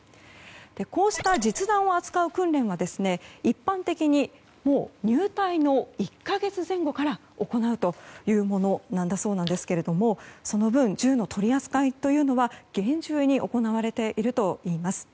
こうした実弾を扱う訓練は一般的に入隊の１か月前後から行うというものなんだそうなんですけれどもその分、銃の取り扱いは厳重に行われているといいます。